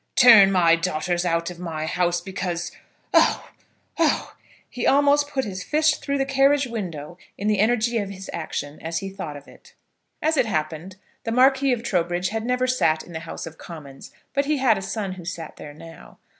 "Turn my daughters out of my house, because oh, oh!" He almost put his fist through the carriage window in the energy of his action as he thought of it. As it happened, the Marquis of Trowbridge had never sat in the House of Commons, but he had a son who sat there now.